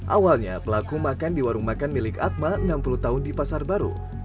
awalnya pelaku makan di warung makan milik atma enam puluh tahun di pasar baru